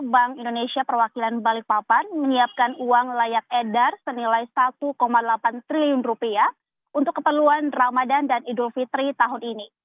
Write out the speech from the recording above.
bank indonesia perwakilan balikpapan menyiapkan uang layak edar senilai rp satu delapan triliun untuk keperluan ramadan dan idul fitri tahun ini